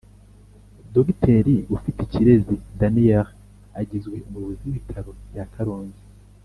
Dr ufitikirezi daniel agizwe umuyobozi w ibitaro bya karongi